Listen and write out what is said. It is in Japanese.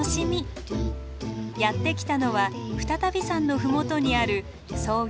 やって来たのは再度山の麓にある創業